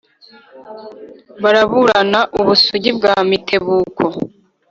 baraburana u busigi bwa mitebuko